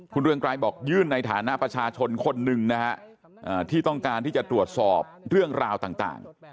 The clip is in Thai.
คุณเรืองไกรบอกยื่นในฐานะประชาชนคนหนึ่งนะฮะที่ต้องการที่จะตรวจสอบเรื่องราวต่าง